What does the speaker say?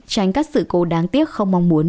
tránh các sự cố đáng tiếc không mong muốn